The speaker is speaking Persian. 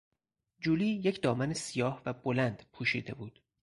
جولی یک دامن سیاه و بلند پوشیده بود.